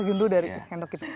gitu dari kandok itu